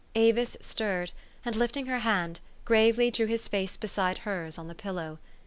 Avis stirred, and, lifting her hand, gravely drew his face beside hers on the pillow.